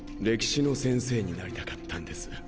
歴史の先生になりたかったんです。